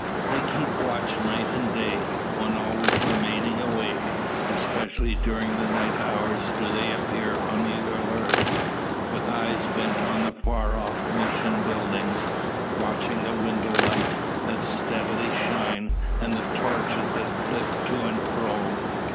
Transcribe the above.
They keep watch night and day, one always remaining awake. Especially during the night hours do they appear on the alert with eyes bent on the far off mission buildings watching the window lights that steadily shine, and the torches that flit to and fro.